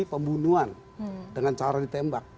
pembunuhan dengan cara ditembak